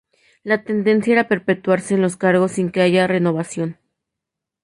La tendencia es perpetuarse en los cargos sin que haya renovación.